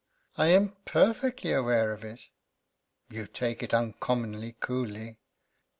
"I am perfectly aware of it." "You take it uncommonly coolly.